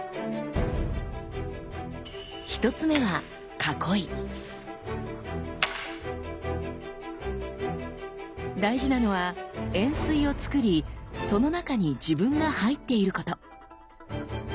１つ目は大事なのは円錐をつくりその中に自分が入っていること。